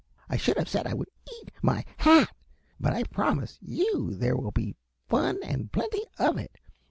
"I should have said I would eat my hat, but I promise you there will be fun and plenty of it.